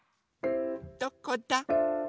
どこだ？